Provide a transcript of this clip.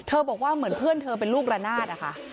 เธอบอกว่าเหมือนเพื่อนเธอเป็นลูกระนาด